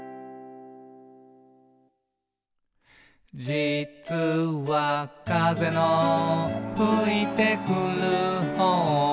「じつは、風のふいてくる方を」